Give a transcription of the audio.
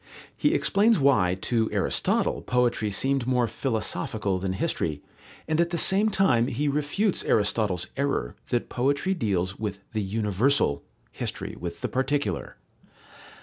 He explains why to Aristotle poetry seemed more philosophical than history, and at the same time he refutes Aristotle's error that poetry deals with the universal, history with the particular.